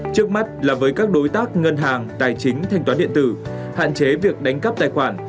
trước mắt là với các đối tác ngân hàng tài chính thanh toán điện tử hạn chế việc đánh cắp tài khoản